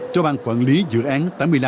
cho bang quản lý dự án